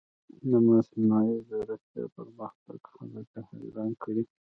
د مصنوعي ځیرکتیا پرمختګ خلک حیران کړي.